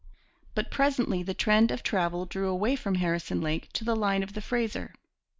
But presently the trend of travel drew away from Harrison Lake to the line of the Fraser.